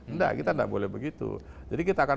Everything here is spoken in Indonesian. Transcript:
enggak kita enggak boleh begitu jadi kita akan